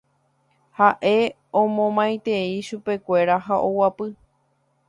Haʼe omomaitei chupekuéra ha oguapy.